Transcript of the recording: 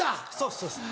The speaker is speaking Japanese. そうです。